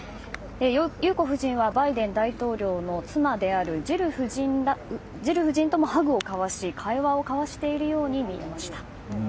裕子夫人は、バイデン大統領の妻であるジル夫人ともハグを交わし会話を交わしているように見えました。